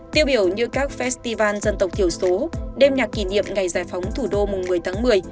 tiêu biểu như các festival dân tộc thiểu số đêm nhạc kỷ niệm ngày giải phóng thủ đô mùng một mươi tháng một mươi